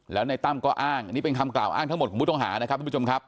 แล้วในตั้มก็อ้างอันนี้เป็นคำกล่าวอ้างทั้งหมดของผู้ต้องหานะครับทุกผู้ชมครับ